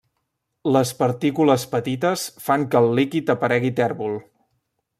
Les partícules petites fan que el líquid aparegui tèrbol.